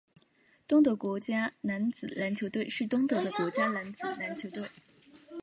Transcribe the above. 东德国家男子篮球队是东德的国家男子篮球队。